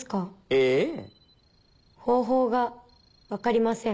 ええ方法が分かりません